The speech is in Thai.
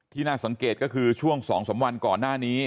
น่าสังเกตก็คือช่วง๒๓วันก่อนหน้านี้